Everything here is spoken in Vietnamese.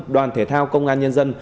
đoàn thể thao công an nhân dân